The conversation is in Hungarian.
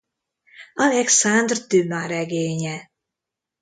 Alexandre Dumas regénye.